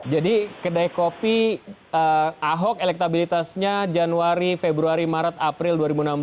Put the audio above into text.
jadi kedai kopi ahok elektabilitasnya januari februari maret april dua ribu enam belas